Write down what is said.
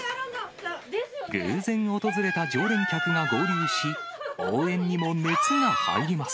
偶然訪れた常連客が合流し、応援にも熱が入ります。